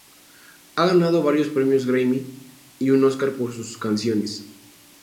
Ha ganado varios premios Grammy y un Óscar por sus canciones.